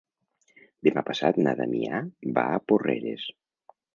Demà passat na Damià va a Porreres.